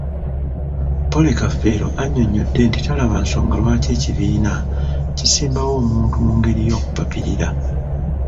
Polly Kafeero annyonnyodde nti tebalaba nsonga lwaki ekibiina kisimbawo omuntu mungeri y'okupapirira.